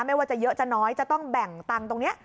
ไม่ว่าจะเยอะจะน้อยจะต้องแบ่งตังค์ตรงนี้